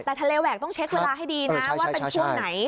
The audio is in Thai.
แต่ทะเลแหวกต้องเช็คเวลาให้ดีนะว่าเป็นช่วงไหน